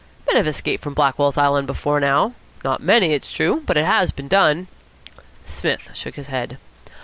"Men have escaped from Blackwell's Island before now. Not many, it's true; but it has been done." Psmith shook his head.